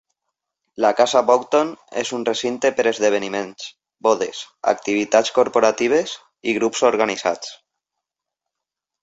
La Casa Boughton és un recinte per esdeveniments, bodes, activitats corporatives i grups organitzats.